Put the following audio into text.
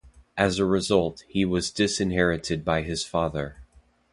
As a result, he was disinherited by his father.